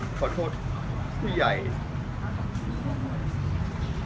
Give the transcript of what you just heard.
ขอโทษที่ก็ไม่ได้